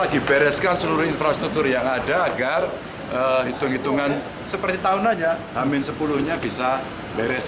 diharapkan seluruh infrastruktur yang ada agar hitung hitungan seperti tahunannya amin sepuluh nya bisa beres